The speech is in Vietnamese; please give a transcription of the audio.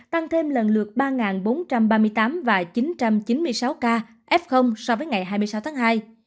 tăng thêm lần lượt ba bốn trăm ba mươi tám và chín trăm chín mươi sáu ca f so với ngày hai mươi sáu tháng hai